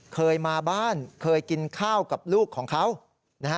เคยมาบ้านเคยกินข้าวกับลูกของเขานะฮะ